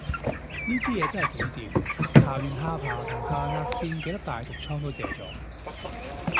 呢支嘢真係幾掂，搽完下巴同下頷線幾粒大毒瘡都謝咗